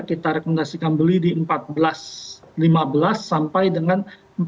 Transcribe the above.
kita rekomendasikan beli di seribu empat ratus lima belas sampai dengan seribu empat ratus tujuh puluh lima